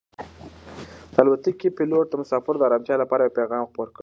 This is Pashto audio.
د الوتکې پېلوټ د مسافرو د ارامتیا لپاره یو پیغام خپور کړ.